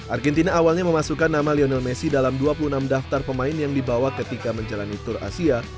argentina awalnya memasukkan nama lionel messi dalam dua puluh enam daftar pemain yang dibawa ketika menjalani tour asia